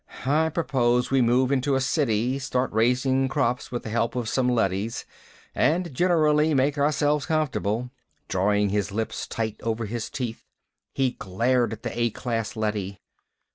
I propose we move into a city, start raising crops with the help of some leadys, and generally make ourselves comfortable." Drawing his lips tight over his teeth, he glared at the A class leady.